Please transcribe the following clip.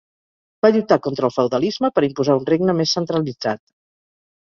Va lluitar contra el feudalisme per imposar un regne més centralitzat.